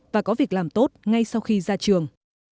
và có việc làm tốt ngay sau khi ra trường